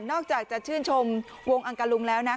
อกจากจะชื่นชมวงอังกะลุงแล้วนะ